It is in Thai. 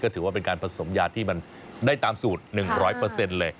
ถือว่าเป็นการผสมยาที่มันได้ตามสูตร๑๐๐เลย